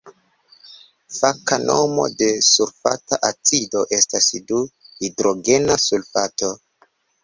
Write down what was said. Faka nomo de sulfata acido estas du-hidrogena sulfato.